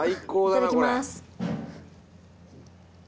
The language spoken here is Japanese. いただきます。